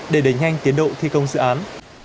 để đẩy nhanh tiến độ thi công dự án